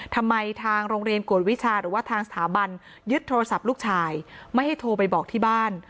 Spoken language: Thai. ทางโรงเรียนกวดวิชาหรือว่าทางสถาบันยึดโทรศัพท์ลูกชายไม่ให้โทรไปบอกที่บ้าน